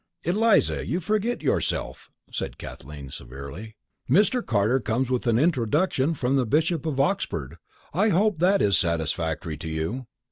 "Eliza, you forget yourself," said Kathleen, severely. "Mr. Carter comes with an introduction from the Bishop of Oxford. I hope that is satisfactory to you!